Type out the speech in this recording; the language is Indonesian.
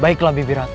baiklah bibi ratu